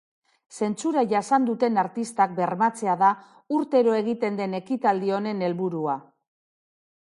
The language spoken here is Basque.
Zentsura jasan duten artistak bermatzea da urtero egiten den ekitaldi honen helburua.